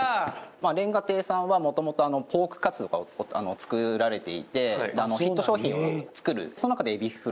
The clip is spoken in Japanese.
瓦亭さんはもともとポークカツとかを作られていてヒット商品を作る。